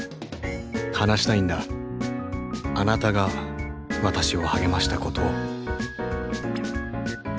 話したいんだあなたが私を励ましたことを。